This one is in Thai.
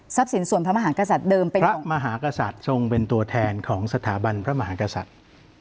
สินส่วนพระมหากษัตริย์เดิมเป็นพระมหากษัตริย์ทรงเป็นตัวแทนของสถาบันพระมหากษัตริย์